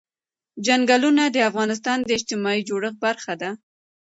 چنګلونه د افغانستان د اجتماعي جوړښت برخه ده.